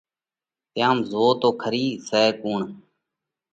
تيام زون تو کرِي سئہ ڪُوڻ؟